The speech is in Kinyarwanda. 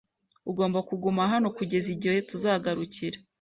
Ugomba kuguma hano kugeza igihe tuzagarukira.